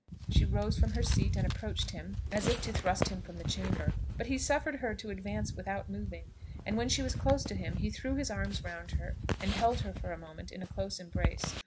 She rose from her seat and approached him, as if to thrust him from the chamber; but he suffered her to advance without moving, and when she was close to him, he threw his arms round her, and held her for a moment in a close embrace.